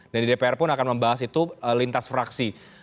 dan di dpr pun akan membahas itu lintas fraksi